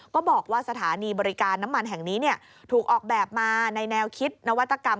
บอกว่าสถานีบริการน้ำมันแห่งนี้ถูกออกแบบมาในแนวคิดนวัตกรรม